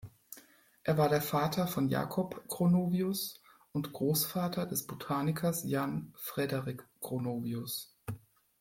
Er war der Vater von Jakob Gronovius und Großvater des Botanikers Jan Frederik Gronovius.